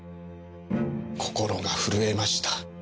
心がふるえました。